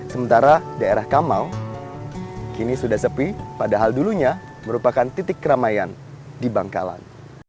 sementara daerah kamau kini sudah sepi padahal dulunya merupakan titik keramaian di bangkalan